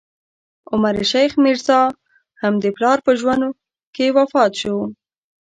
عمر شیخ میرزا، هم د پلار په ژوند کې وفات شو.